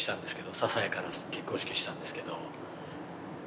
ささやかな結婚式をしたんですけど。